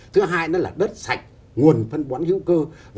thứ hai nó là đất sạch nguồn phân bón hữu cơ